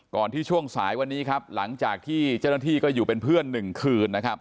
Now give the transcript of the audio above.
ที่ช่วงสายวันนี้ครับหลังจากที่เจ้าหน้าที่ก็อยู่เป็นเพื่อน๑คืนนะครับ